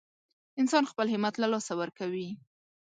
انسان خپل همت له لاسه ورکوي.